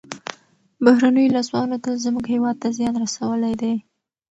بهرنیو لاسوهنو تل زموږ هېواد ته زیان رسولی دی.